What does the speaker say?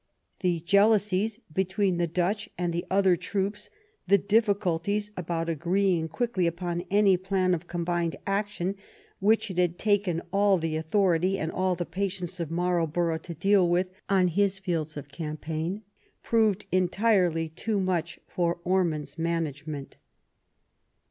The jealousies between the Dutch and the other troops, the difficulties about agreeing quickly upon any plan of combined action, which it had taken all the authority and all the patience of Marlborough to deal with on his fields of campaign, proved entirely too much for Ormond's management.